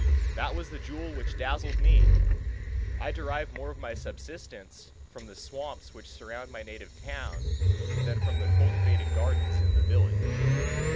That was the jewel which dazzled me. I derive more of my subsistence from the swamps which surround my native town than from the cultivated gardens in the village.